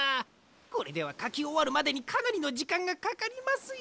これではかきおわるまでにかなりのじかんがかかりますよ！